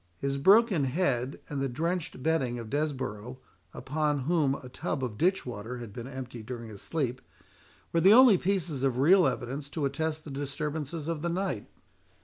His broken head, and the drenched bedding of Desborough, upon whom a tub of ditch water had been emptied during his sleep, were the only pieces of real evidence to attest the disturbances of the night.